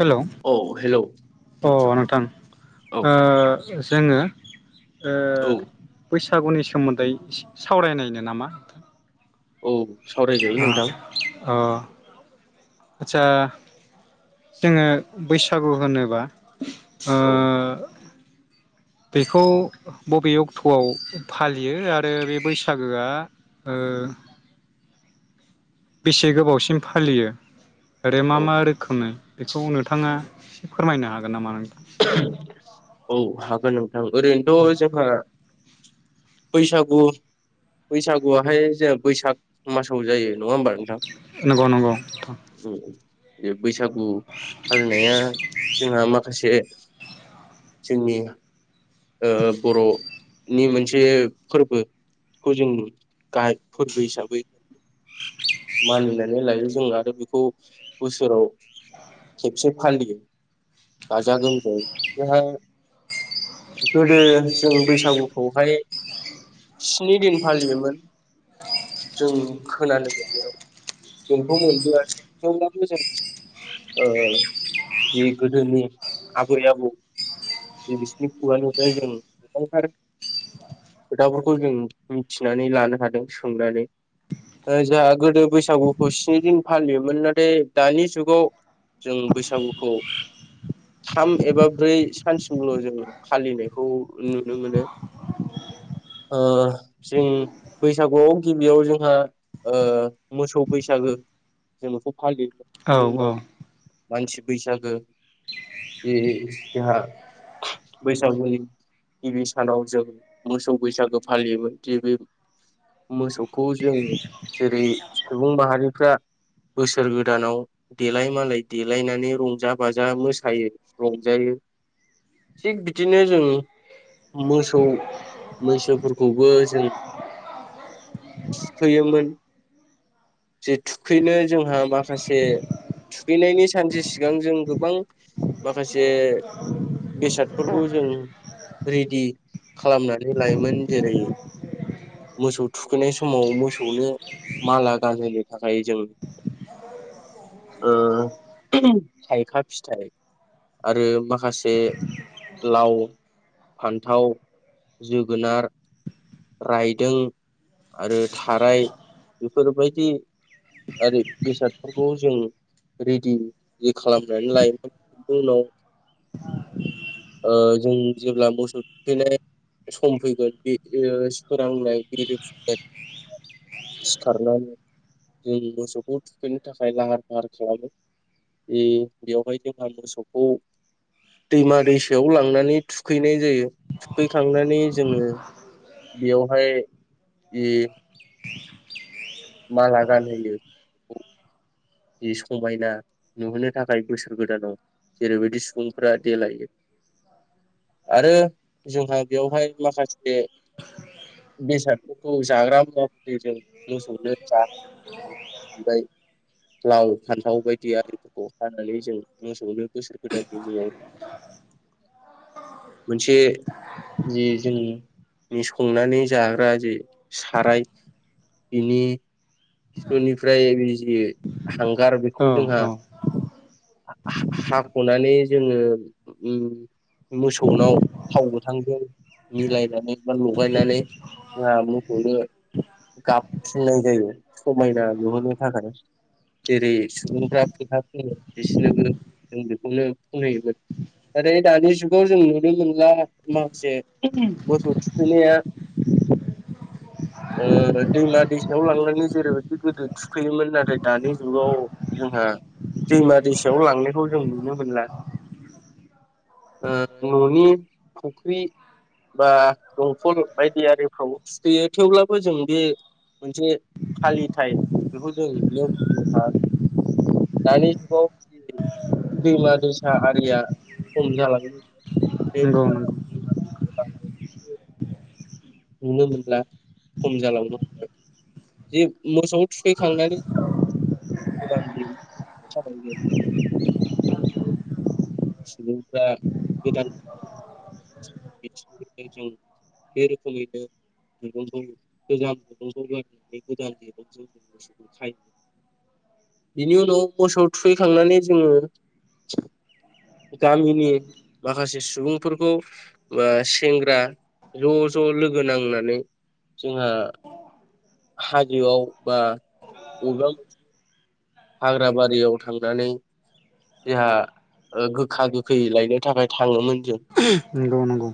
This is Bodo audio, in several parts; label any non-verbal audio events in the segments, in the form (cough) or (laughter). हेलौ औ हेलौ अ नोंथां औ ओ जोङो ओ औ बैसाग बैसागुनि सोमोन्दै एसे सावरायनायनो नामा? औ सावरायजायो नोंथां अ आदसा जोङो बैसागु होनोबा ओ औ बेखौ बबे अक्ट'आव फालियो आरो बे बैसागोआ ओ बेसे गोबावसिम फालियो? आरो मा औ मा रोखोमनि बेखौ नोंथाङा एसे फोरमायनो हागोन नामा नों (unintelligible) औ हागोन नों ओं ओरैनोथ' जोंहा बैसागु बैसागुआहाय जोंहा बैसाग मासाव जायो नङा होनबा‌ नोंथां? नंगौ नंगौ (unintelligible) बैसागु फालिनाया जोंहा माखासे जोंनि ओ बर'नि मोनसे फोरबोखौ जों फोरबो हिसाबै मानिनानै लायो जों आरो बेखौ बोसोराव खेबसे फालियो गाजा गोमजा बेखौहा‌ जोंहा गोदो जों बैसागुखौहाय स्नि दिन फालियोमोन जों खोनानो मोननायाव जोंथ' मोनबोआसै थेवब्लाबो जों बे गोदोनि आबै आबौ बिसिनि खुगानिफ्राय जों गोबांथार खोथाफोरखौ जों मिथिनानै लानो हादों सोंनानै जोंहा गोदो बैसागुखौ स्नि दिन फालियोमोन नाथाय दानि जुगाव जों बैसागुखौ थाम एबा ब्रै सानसिमल' जोंङो फालिनायखौ नुनो मोनो ओ‌ जों बैसागुआव गिबियाव जोंहा ओ मोसौ बैसागो जोङो बेखौ खालि औ बिनि औ मानसि बैसागो बे जोंहा बैसागुनि गिबि सानाव जों मोसौ बैसागो फालियोमोन जे बे मोसौखौ जों जेरै सुबुं माहारिफ्रा बोसोर गोदानाव देलाय मालाय देलायनानै रंजा बाजा मोसौ यो रंजायो थिग बिदिनो जों मोसौ मैसोफोरखौबो जों थुखैयोमोन जे थुखैनो जोंहा माखासे थुखैनायनि सानसे सिगां जों गोबां माखासे बेसादफोरखौ जों रेडि खालामनानै लायोमोन जेरै मोसौ थुखैनाय समाव मोसौनो माला गानहोनो थाखाय जों थाइखा फिथाइ आरो माखासे लाव फान्थाव जोगोनार रायदों आरो थाराय बेफोरबायदि आरो बेसादफोरखौ जों रेदि खालाम नानै लायोमोन बिनि उनाव जों जेब्ला मोसौ थुखैनाय सम फैगोन बे सोरांनाय बेरिफुनाय सिखारनानै जों मोसौखौ थुखैनो थाखाय लाहार फाहार खालामो बे बेयावहाय जोंहा मोसौखौ दैमा दैसायाव लांनानै थुखैनाय जायो थुखैखांनानै जोङो बेयावहाय बे माला गानहोयो जि समायना नुहोनो थाखाय बोसोर गोदानाव जेरैबायदि सुबुंफ्रा देलायो आरो जोंहा बेवहाय माखासे बेसादफोरखौ जाग्रा मुवाफोरुलि जों मोसौनो जानो लाव फान्थाव बायदि आरिफोरखौ हानानै जों मोसौनो बोसोर गोदाननि मुङाव मोनसे जि जोंनि संनानै जाग्रा जि साराय बिनि खिथुनिफ्राय बे जि हांगार औ बेखौ जोंहा औ हाख'नानै जोङो मो मोसौनाव थाव गोथांजों मिलायनानै बा लगायनानै जोंहा मोसौनो गाबफ्रिननाय जायो समायना नुहोनो थाखाय जेरै सुबुंफ्रा फोथा फुङो बिसिनोबो जों बेखौनो खनहैयोमोन नाथाय दानि जुगाव जों नुनो मोनला माखासे मोसौ थुखैनाया ओ दैमा दैसायाव लांलांनो जेरैबायदि गोदो थुखैयोमोन नाथाय दानि जुगाव जोंहा दैमा दैसायाव लांनायखौ जों नुनो मोनला न'नि ओ फुख्रि बा दंखल बायदि आरिफ्राव थुखैयो थेवब्लाबो जों बे मोनसे फालिथाय बेखौ जों बियाव फिसिनो हा दानि जुगाव जि दैमा दैसा आरिया खम जालाङो नंगौ नंगौ नुनो मोनला खम जालांनो हमबाय जे मोसौ थुखैखांनानै (unintelligible) (unintelligible) सुबुंफोरा गोदान (unintelligible) बिथिं जों बे रोखोमैनो दुंरुंखौ गोजाम दुंरुंखौ गारनानै गोदान दिरुं जों मोसौखौ खायो बिनि उनाव मोसौ थुखैखांनानै जोङो गामिनि माखासे सुबुंफोरखौ बा सेंग्रा ज' ज' लोगो नांनानै जोंहा हाजोआव बा बबेबा मोनसे हाग्राबारियाव थांनानै जोंहा ओ गोखा गोखै लायनो थाखाय थाङोमोन जों नंगौ नंगौ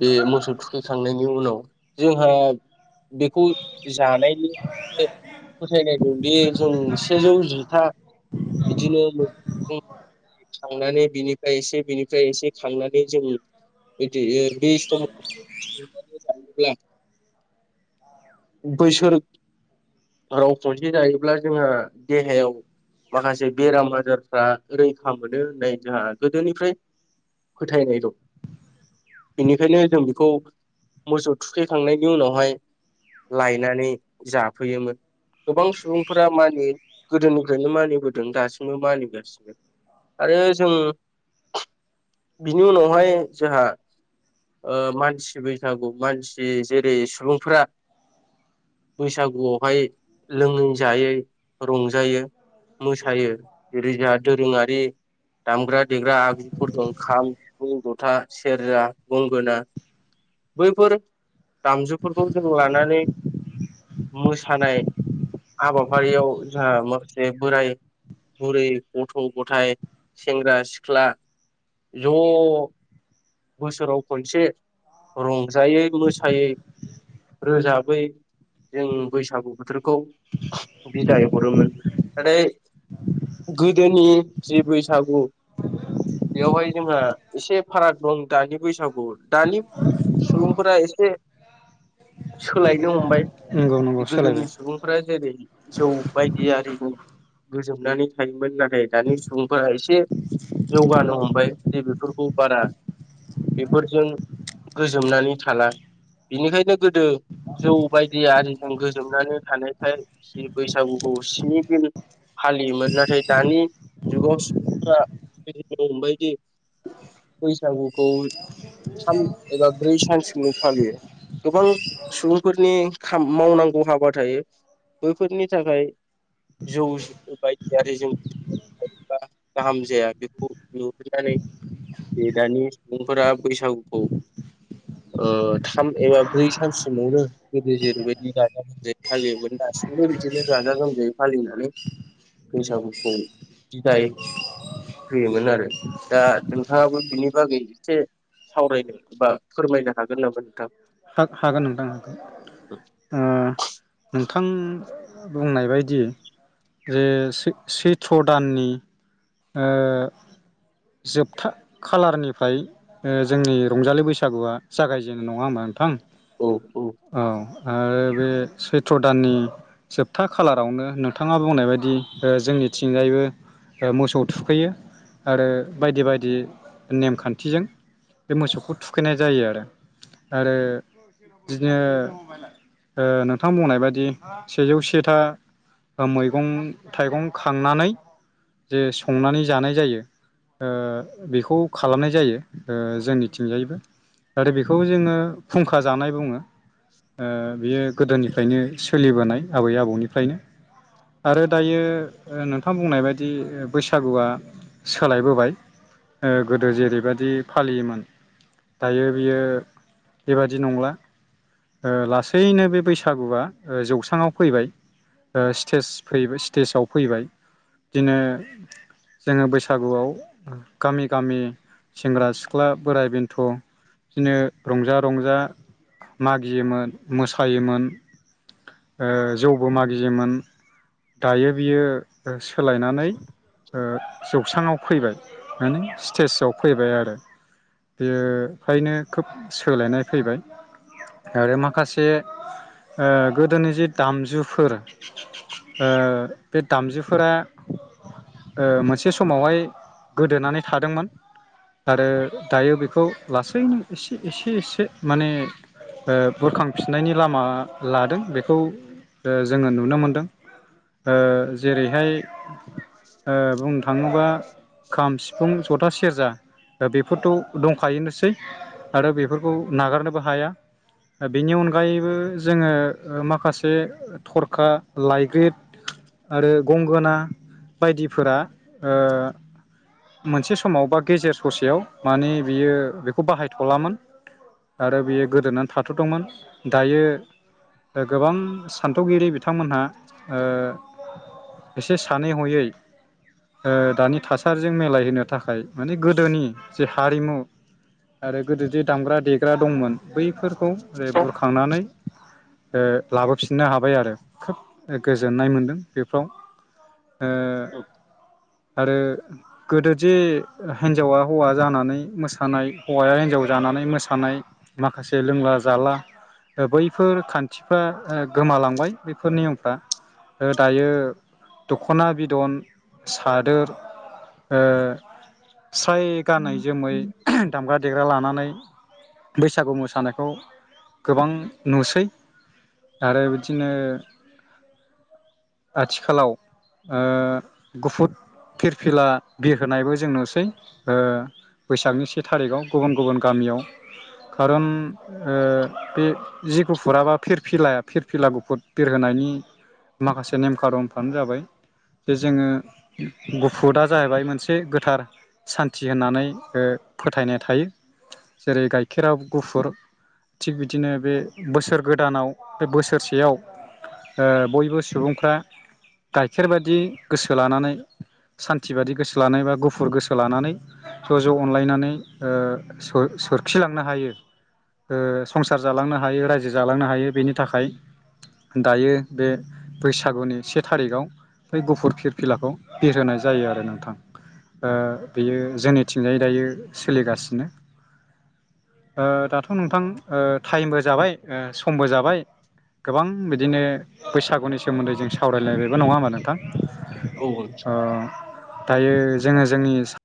बे मोसौ थुखैखांनायनि उनाव जोंहा बेखौ जानायनि मोनसे फोथायनाय दंदि जों सेजौ जिथा बिदिनो मैगं थाइगं खांनानै बिनिफ्राय एसे बिनिफ्राय एसे खांनानै जों इदि बे संनानै जायोब्ला बोसोराव खनसे जायो अब्ला जोंहा देहायाव माखासे बेराम आजारफ्रा रैखा मोनो होननाय जोंहा गोदोनिफ्राय फोथायनाय दं बेनिखायनो जों बेखौ मोसौ थुखैखांनायनि उनावहाय लायनानै जाफैयोमोन गोबां सुबुं फोरा मानियो गोदोनिफ्रायनो मानिबोदों दासिमबो मानिगासिनो आरो जों बिनि उनावहाय जोंहा मानसि ओ बैसागु मानसि जेरै सुबुंफोरा बैसागुआवहाय लोङै जायै रंजायो मोसायो जेरै जोंहा दोरोङारि दामग्रा देग्रा आगजुफोर दं खाम सिफुं जथा सेरजा गंगोना बैफोर दामजुफोरखौ जों लानानै मोसानाय हाबाफारियाव जोंहा माखासे बोराय बुरै गथ' गथाइ सेंग्रा सिख्ला ज' बोसोराव खनसे रंजायै मोसायै रोजाबै जों बैसागु बोथोरखौ बिदाय हरोमोन नाथाय गोदोनि जि बैसागु बेयावहाय जोंहा एसे फाराग दं दानि बैसागु दानि सुबुंफोरा एसे सोलायनो हमबाय नंगौ नंगौ गोदोनि सोलायबाय सुबुंफोरा जेरै जौ बायदि आरिजों गोजोबनानै थायोमोन नाथाय दानि सुबुंफोरा एसे जौगानो हमबाय जे बेफोरखौ बारा बेफोरजों गोजोमनानै थाला बिनिखायनो गोदो जौ बायदि आरिजों गोजोमनानै थानाय जि बैसागुखौ स्नि दिन फालियोमोन नाथाय दानि जुगाव सुबुंफोरानो (unintelligible) हमबायदि बैसागुखौ सान एबा ब्रै सानसिमल' फालियो गोबां सुबुंफोरनि खाम मावनांगौ हाबा थायो बैफोरनि थाखाय जौ बायदि आरि जों (unintelligible) गाहाम जाया बेखौ नुहुरनानै बे दानि सुबुंफोरा बैसागुखौ ओ थाम एबा ब्रै सानसिमावनो गोदो जेरैबायदि गाजा गोमजायै फालियोमोन दासिमबो बिदिनो गाजा गोमजायै फालिनानै बैसागुखौ बिदाय होयोमोन आरो दा नोंथाङाबो बिनि बागै एसे सावरायनो बा फोरमायनो हागोन नामा नोंथां हागोन नोंथां हागोन ओ नोंथां बुंनाय बायदि जे सै सैथ्र' दाननि ओ जोबथा खालारनिफ्राय ओ जोंनि रंजालि बैसागुआ जागायजेनो नङा होनबा थां औ औ आरो बे सैथ्र दाननि जोबथा खालारावनो नोंथाङा बुंनाय बायदि ओ जोंनिथिंजायबो मोसौ थुखैयो आरो बायदि बायदि नेमखान्थिजों बे मोसौखौ थुखैनाय जायो आरो आरो बिदिनो ओ नोंथां बुंनाय बादि सेजौ सेथा मैगं थाइगं खांनानै जे संनानै जानाय जायो ओ बेखौ खालामनाय जायो ओ जोंनिथिंजायबो आरो बेखौ जोङो खुंखा जानाय बुङो ओ बियो गोदोनिफ्रायनो सोलिबोनाय आबै आबौनिफ्रायनो आरो दायो नोंथां बुंनाय बायदि बैसागुआ सोलायबोबाय ओ गोदो जेरैबायदि फालियोमोन दायो बियो बेबादि नंला ओ लासैनो बे बैसागुआ जौस्राङाव फैबाय ओ स्टेज फैबाय स्टेजाव फैबाय बिदिनो जोङो बैसागुआव गामि गामि सेंग्रा सिख्ला बोराइ बेन्थ' बिदिनो रंजा रंजा मागियोमोन मोसायोमोन ओ जौबो मागियोमोन दायो बियो ओ सोलायनानै ओ जौसाङाव फैबाय माने स्टेजाव फैबाय आरो बेयो फ्रायनो खोब सोलायनाय फैबाय आरो माखासे ओ गोदोनि जे दामजुफोर ओ बे दामजुफोरा ओ मोनसे समावहाय गोदोनानै थादोंमोन आरो दायो बेखौ लासैनो एसे एसे एसे माने ओ बुरखांफिननायनि लामा लादों बेखौ जोङो ओ नुनो मोनदों जेरैहाय बुंनो थाङोबा ओ खाम सिफुं जथा सेरजा बेफोरथ' दंखायोनसै आरो बेफोरखौ नागारनोबो हाया बेनि अनगायैबो जोङो माखासे थरखा लाइग्रि आरो गंगोना बायदिफोरा ओ मोनसे समाव बा गेजेर ससेयाव माने बियो बेखौ बाहाय थलामोन आरो बियो गोदोनानै थाथ'दोंमोन दायो ओ गोबां सान्थौगिरि बिथांमोनहा एसे सानै हयै ओ दानि थासारिजों मिलायहोनो थाखाय माने गोदोनि जे हारिमु आरो गोदोदि दामग्रा देग्रा दंमोन बैफोरखौ ज बुरखांनानै ओ लाबोफिननो हाबाय आरो खोब गोजोननाय मोनदों बेफोराव औ आरो गोदो जे हिन्जावा हौवा जानानै मोसानाय हौवाया हिन्जाव जानानै मोसानाय माखासे लोंला जाला बैफोर खान्थिफ्रा गोमालांबाय बैफोर नियमफ्रा ओ दायो दख'ना बिदन सादोर स्राय गानै जोमै दामग्रा देग्रा लानानै बैसागु मोसानायखौ गोबां नुसै आरो बिदिनो आथिखालाव ओ गुफुर फिरफिला बिर होनोनायबो जों नुसै ओ बैसागनि सि से थारिखआव गुबुन गुबुन गामियाव खारन ओ बे जि गुफुर बा फिरफिलाया फिरफिला गुफुर बिरहोनायनि माखासे नेम खारोमफ्रानो जाबाय जे जोङो गुफुरदआ जाहैबाय मोनसे गोथार सान्थि होननानै ओ फोथायनाय थायो जेरै गाइखेरा गुफुर थिग बिदिनो बे बोसोर गोदानाव बे बोसोरसेयाव बयबो सुबुंफ्रा गाइखेर बायदि गोसो लानानै सान्थि बादि गोसो लानानै बा गुफुर गोसो लानानै ज' ज' अनलायनानै ओ सोरखिलांनो हायो संसार जालांनो हायो रायजो जालांनो हायो बेनि थाखाय दायो बे बैसागुनि से थारिखाव बे गुफुर फिरफिलाखौ बिरहोनाय जायो आरो नोंथां बेयो जोंनिथिंजायै दायो सोलिगासिनो ओ दाथ' नोंथां ओ टाइमबो जाबाय समबो जाबाय गोबां बिदिनो बैसागुनि सोमोन्दै जों सावरायलायनायबो नङा होमबा नोंथां औ नोंथां ओ दायो जोङो जोंनि